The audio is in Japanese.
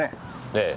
ええ。